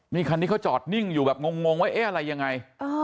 นี่คันนี้เขาจอดนิ่งอยู่แบบงงว่าเอ๊ะอะไรยังไง